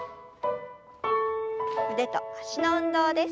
腕と脚の運動です。